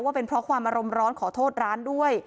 ว่าเป็นเพราะความอารมณ์ร้อนขอโทษร้านด้วย